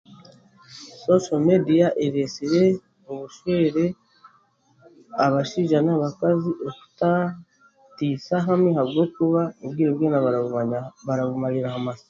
sosho meediya eretsire obushwere abashaija n'abakazi okuta taisa hamwe ahabwokuba obwire bwona barabumarara barabumarira aha masimu